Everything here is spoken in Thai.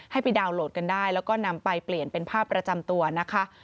ให้ไปดาวน์โหลดกันได้แล้วก็นำไปเปลี่ยนเป็นภาพประจำตัวนะคะ